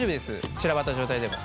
散らばった状態でも。